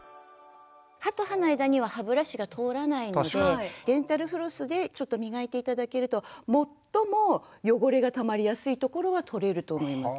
歯と歯の間には歯ブラシが通らないのでデンタルフロスでちょっと磨いて頂けると最も汚れがたまりやすいところはとれると思います。